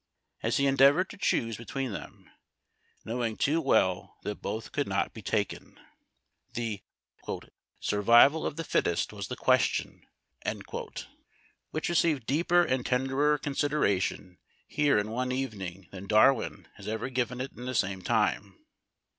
as he endeavored to choose between them, knowing too well that both could not be taken. The "survival of the fittest "■ BREAKING CAMP. — ON THE MARCH. 333 was the question, which received deeper and tenderer con sideration here in one evening; than Darwin has ever ofiven it in the same time.